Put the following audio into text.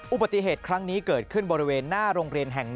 อุบัติเหตุครั้งนี้เกิดขึ้นบริเวณหน้าโรงเรียนแห่ง๑